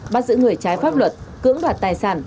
bắt giữ người trái pháp luật cưỡng đoạt tài sản